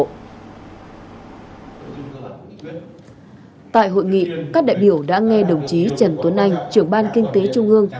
tại hội nghị các đại biểu đã nghe đồng chí trần tuấn anh trưởng ban kinh tế trung ương